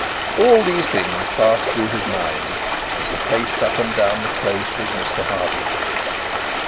All these things passed through his mind as he paced up and down the close with Mr Harding.